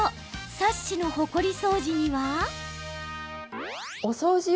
サッシのほこり掃除には？